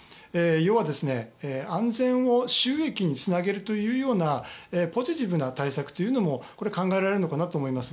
要は安全を収益につなげるというポジティブな対策というのもこれは考えられるのかなと思います。